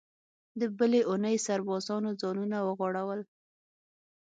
د بلې اوونۍ سربازانو ځانونه وغوړول.